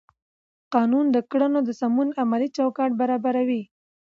قانون د کړنو د سمون عملي چوکاټ برابروي.